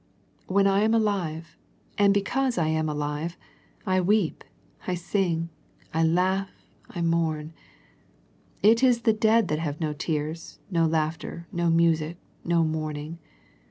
I am alive, and because I am alive, I weep, I sing, I laugh, I mourn. It is the dead that have no tears, no laughter, no music, no mourning.